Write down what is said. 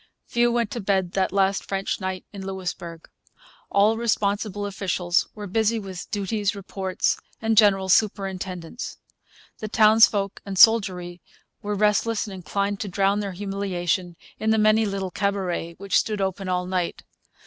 Few went to bed that last French night in Louisbourg. All responsible officials were busy with duties, reports, and general superintendence. The townsfolk and soldiery were restless and inclined to drown their humiliation in the many little cabarets, which stood open all night.